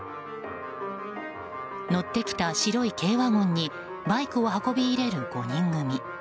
乗ってきた白い軽ワゴンにバイクを運び入れる５人組。